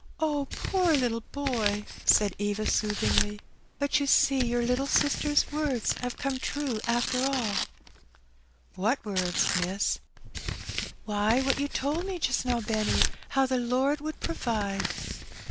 " Poor little boy !'^ said Eva, soothingly ;" but you see your little sister's words have come true, after all." "What words, miss? )} A Glimpse op Paradise. 153 Why, what you told me just now, Benny, — ^how the Lord would provide.